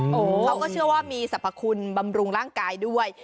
เขาก็เชื่อว่ามีสรรพคุณบำรุงร่างกายด้วย